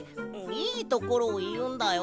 いいところをいうんだよ。